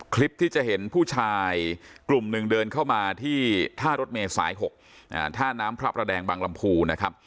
คลิปที่จะเห็นผู้ชายกลุ่มหนึ่งเดินเข้ามาที่ท่ารถเมย์สาย๖ท่าน้ำพระประแดงบางลำพูนะครับ